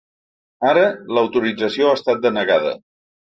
Ara l’autorització ha estat denegada.